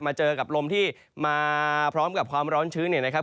เจอกับลมที่มาพร้อมกับความร้อนชื้นเนี่ยนะครับ